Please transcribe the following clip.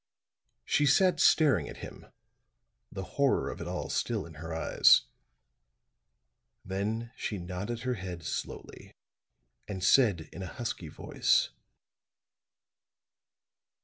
She sat staring at him, the horror of it all still in her eyes. Then she nodded her head slowly, and said in a husky voice.